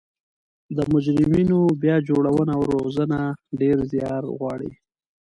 د مجرمینو بیا جوړونه او روزنه ډیر ځیار غواړي